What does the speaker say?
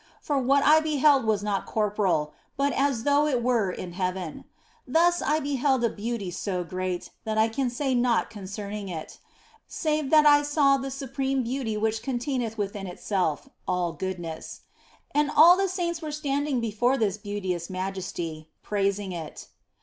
For what I beheld was not corporal, but as though it were in heaven. Thus I beheld a beauty so great that I can say naught concerning it, save that I saw the Supreme Beauty which containeth within Itself all goodness. And all the saints were standing before this beauteous Majesty, praising it.